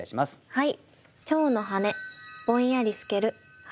はい。